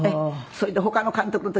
それで他の監督の時はね